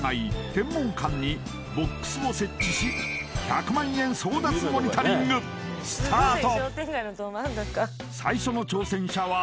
天文館にボックスを設置し１００万円争奪モニタリングスタート！